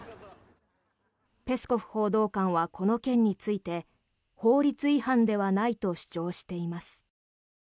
ペスコフ報道官はこの件について法律違反ではないと主張しています。